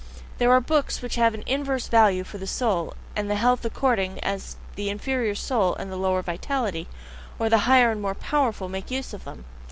There are books which have an inverse value for the soul and the health according as the inferior soul and the lower vitality, or the higher and more powerful, make use of them.